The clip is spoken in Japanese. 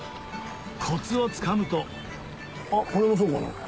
コツをつかむとあっこれもそうかな。